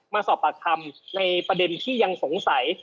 มาสอบปากคำในประเด็นที่ยังสงสัย